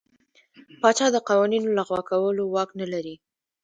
پاچا د قوانینو لغوه کولو واک نه لري.